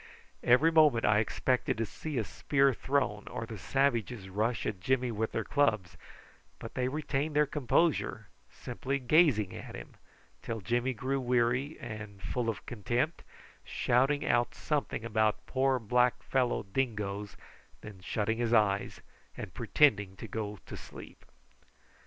Every moment I expected to see a spear thrown or the savages rush at Jimmy with their clubs; but they retained their composure, simply gazing at him, till Jimmy grew weary, and, full of contempt, shouting out something about poor black fellow dingoes, and then shutting his eyes and pretending to go to sleep.